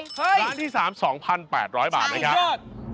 ร้านที่๓๒๘๐๐บาทนะคะใช่ยืด